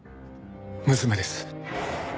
娘です。